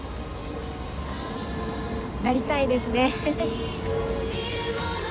なりたいですね。